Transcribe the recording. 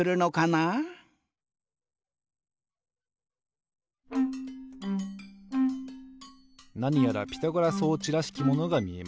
なにやらピタゴラ装置らしきものがみえます。